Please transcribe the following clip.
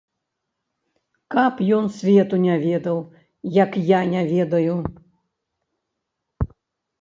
Каб ён свету не ведаў, як я не ведаю.